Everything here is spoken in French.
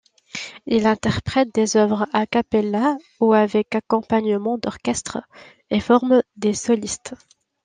Il interprète des œuvres a cappella ou avec accompagnement d'orchestre et forme des solistes.